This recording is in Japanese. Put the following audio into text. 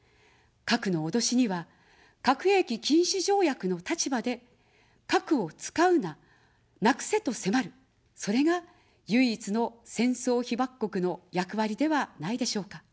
核の脅しには、核兵器禁止条約の立場で、核を使うな、なくせと迫る、それが唯一の戦争被爆国の役割ではないでしょうか。